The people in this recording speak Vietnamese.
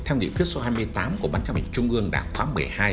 theo nghị quyết số hai mươi tám của bản chấp hình trung ương đảng khoáng một mươi hai